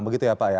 begitu ya pak ya